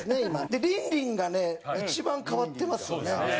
でリンリンがね一番変わってますよね。